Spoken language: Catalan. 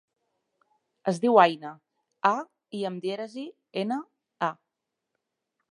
Es diu Aïna: a, i amb dièresi, ena, a.